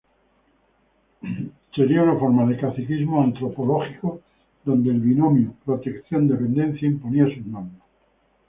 Sería una forma de caciquismo antropológico donde el binomio protección-dependencia imponía sus normas".